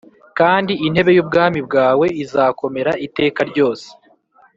kandi intebe y’ubwami bwawe izakomera iteka ryose.